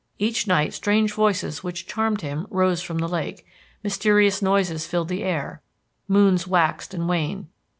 Each night strange voices which charmed him rose from the lake; mysterious noises filled the air. Moons waxed and waned.